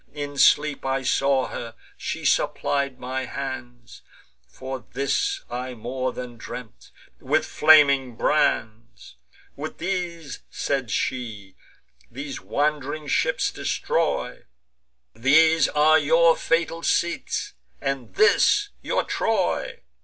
In sleep I saw her; she supplied my hands (For this I more than dreamt) with flaming brands: 'With these,' said she, 'these wand'ring ships destroy: These are your fatal seats, and this your Troy.